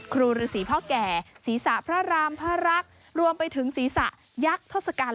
ฤษีพ่อแก่ศีรษะพระรามพระรักษ์รวมไปถึงศีรษะยักษ์ทศกัณฐ